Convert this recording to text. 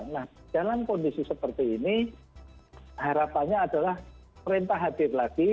nah dalam kondisi seperti ini harapannya adalah perintah hadir lagi